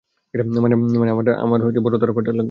মানে, আমার বড় তারকাঁটা লাগবে।